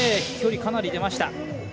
飛距離、かなり出ました。